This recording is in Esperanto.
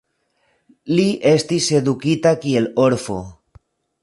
Li estis edukita kiel orfo.